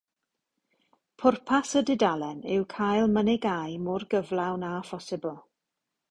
Pwrpas y dudalen yw cael mynegai mor gyflawn â phosibl.